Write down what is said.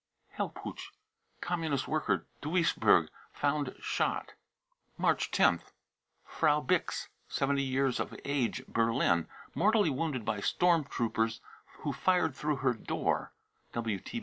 hellpuch. Communist worker, Duisburg, found shot. {WTB.) March 10th. frau bigks, 70 years of age, Berlin, mortally wounded by storm troopers who fired through her door.